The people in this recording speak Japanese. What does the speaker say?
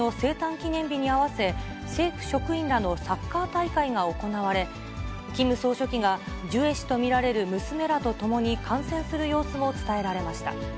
記念日に合わせ、政府職員らのサッカー大会が行われ、キム総書記がジュエ氏と見られる娘らと共に、観戦する様子も伝えられました。